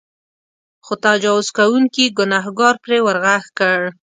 خو تجاوز کوونکي ګنهکار پرې ورغږ کړ.